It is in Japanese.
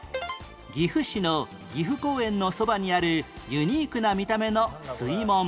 岐阜市の岐阜公園のそばにあるユニークな見た目の水門